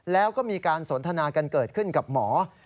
แล้วก็มีการสนทนากันเกิดขึ้นกับหมอ